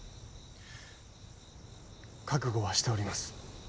覚悟はしております。